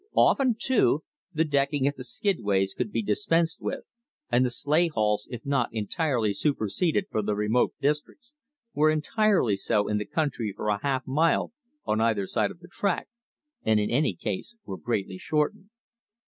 Often, too, the decking at the skidways could be dispensed with; and the sleigh hauls, if not entirely superseded for the remote districts, were entirely so in the country for a half mile on either side of the track, and in any case were greatly shortened.